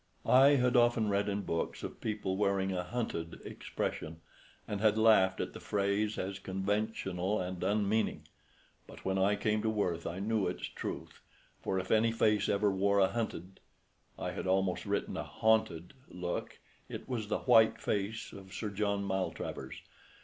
I had often read in books of people wearing a "hunted" expression, and had laughed at the phrase as conventional and unmeaning. But when I came to Worth I knew its truth; for if any face ever wore a hunted I had almost written a haunted look, it was the white face of Sir John Maltravers.